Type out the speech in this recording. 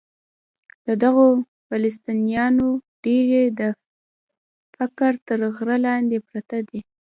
د دغو فلسطینیانو ډېری د فقر تر غره لاندې پراته دي.